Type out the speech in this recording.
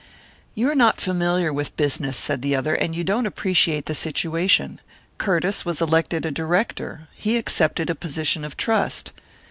"You are not familiar with business," said the other, "and you don't appreciate the situation. Curtiss was elected a director he accepted a position of trust."